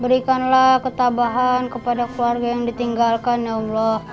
berikanlah ketabahan kepada keluarga yang ditinggalkan allah